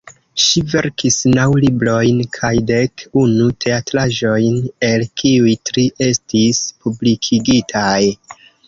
Ŝi verkis naŭ librojn kaj dek unu teatraĵojn, el kiuj tri estis publikigitaj.